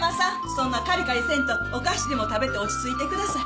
そんなかりかりせんとお菓子でも食べて落ち着いてください。